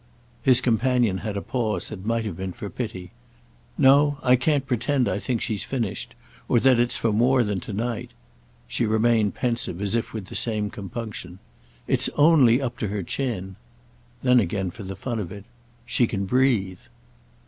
His companion had a pause that might have been for pity. "No, I can't pretend I think she's finished—or that it's for more than to night." She remained pensive as if with the same compunction. "It's only up to her chin." Then again for the fun of it: "She can breathe."